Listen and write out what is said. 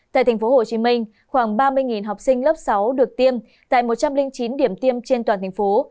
tại tp hcm khoảng ba mươi học sinh lớp sáu được tiêm tại một trăm linh chín điểm tiêm trên toàn thành phố